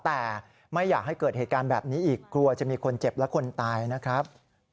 แต่ไม่อยากให้เกิดเหตุการณ์แบบนี้อีกกลัวจะมีคนเจ็บและคนตายนะครับ